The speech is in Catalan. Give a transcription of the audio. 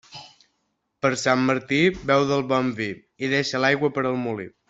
Per Sant Martí beu del bon vi i deixa l'aigua per al molí.